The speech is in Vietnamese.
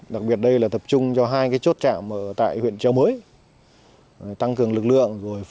đặc biệt đây là tập trung cho hai chốt trạm tại huyện châu mới